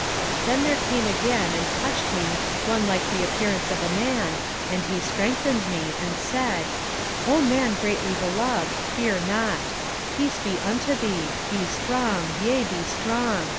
27:010:018 Then there came again and touched me one like the appearance of a man, and he strengthened me, 27:010:019 And said, O man greatly beloved, fear not: peace be unto thee, be strong, yea, be strong.